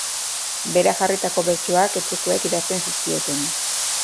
Berak jarritako bertsoak etxekoek idazten zizkioten.